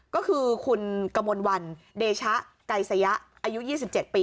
ก็คือคุณกมลวันเดชะไกสยะอายุ๒๗ปี